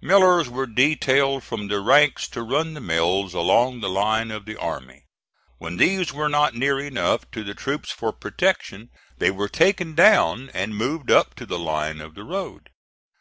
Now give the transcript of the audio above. Millers were detailed from the ranks to run the mills along the line of the army. When these were not near enough to the troops for protection they were taken down and moved up to the line of the road.